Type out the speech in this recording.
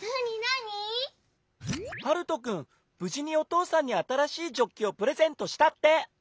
ぶじにおとうさんにあたらしいジョッキをプレゼントしたって。